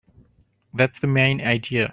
That's the main idea.